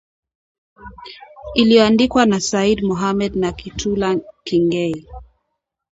iliyoandikwa na Said Mohamed na Kitula King’ei